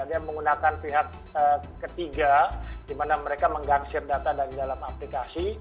ada yang menggunakan pihak ketiga di mana mereka menggangsir data dari dalam aplikasi